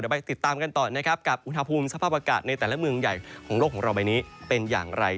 ไปติดตามกันต่อนะครับกับอุณหภูมิสภาพอากาศในแต่ละเมืองใหญ่ของโลกของเราใบนี้เป็นอย่างไร